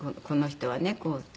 この人はねこう。